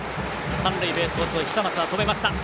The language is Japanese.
三塁ベースコーチの久松が止めました。